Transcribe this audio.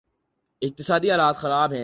اقتصادی حالت خراب ہے۔